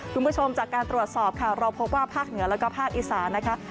คุณผู้ชมจากการตรวจสอบค่ะเราพบว่าภาคเหนือแล้วก็ภาคอีสานนะคะ